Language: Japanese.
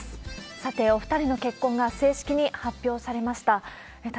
さて、お２人の結婚が正式に発表されました。